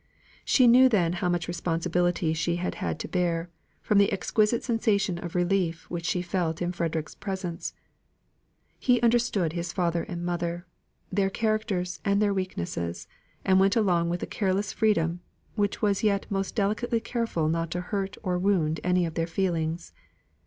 She knew then how much responsibility she had had to bear, from the exquisite sensation of relief which she felt in Frederick's presence. He understood his father and mother their characters and their weaknesses, and went along with a careless freedom, which was yet most delicately careful not to hurt or wound any of their feelings.